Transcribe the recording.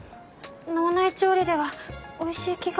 脳内調理ではおいしい気が。